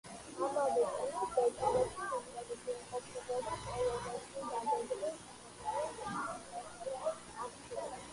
ამავე წლის დეკემბერში მიწვევით იმყოფებოდა პოლონეთში დაგეგმილ საქართველოს მხარდასაჭერ აქციაზე.